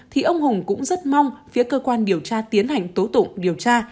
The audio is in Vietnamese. thì ông hùng cũng rất mong phía cơ quan điều tra tiến hành tố tụng điều tra